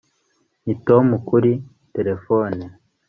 Ni Tom kuri terefone